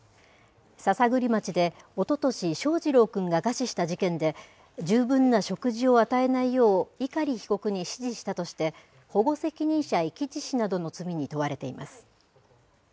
篠栗町でおととし、翔士郎くんが餓死した事件で、十分な食事を与えないよう、碇被告に指示したとして、保護責任者遺棄致死などの罪に問われています。